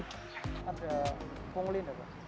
apakah ada pungli